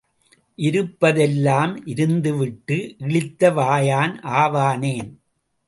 இருப்பது எல்லாம் இருந்துவிட்டு இளித்த வாயன் ஆவானேன்?